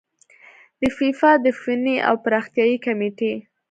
د فیفا د فني او پراختیايي کميټې